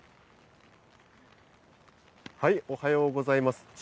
おはようございます。